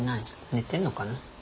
寝てんのかな。